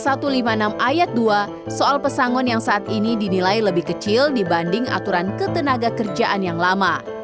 ayat dua soal pesangon yang saat ini dinilai lebih kecil dibanding aturan ketenaga kerjaan yang lama